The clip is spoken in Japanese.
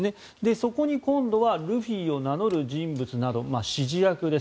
そこに今度はルフィを名乗る人物など、指示役です。